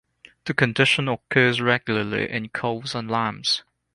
The condition occurs regularly in calves and lambs.